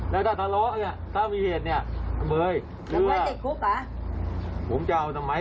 แล้วถ้าทะเลาะถ้ามีเหตุหรือผมจะเอาทำไม